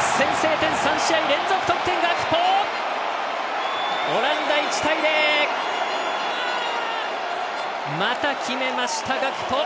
先制点、３試合連続得点ガクポ！オランダ、１対０！また決めました、ガクポ！